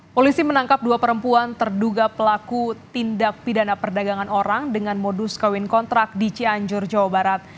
polisi menangkap dua perempuan terduga pelaku tindak pidana perdagangan orang dengan modus kawin kontrak di cianjur jawa barat